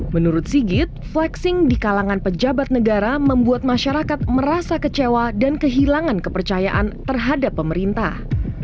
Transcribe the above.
menurut sigit flexing di kalangan pejabat negara membuat masyarakat merasa kecewa dan kehilangan kepercayaan terhadap pemerintah